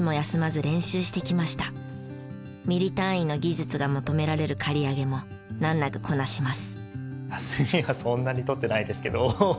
ミリ単位の技術が求められる刈り上げも難なくこなします。